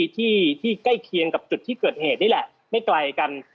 ที่ใกล้เคียงกับจุดที่เกิดเหตุนี่แหละไม่ไกลกัน